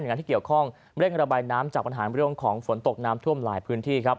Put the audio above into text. งานที่เกี่ยวข้องเร่งระบายน้ำจากปัญหาเรื่องของฝนตกน้ำท่วมหลายพื้นที่ครับ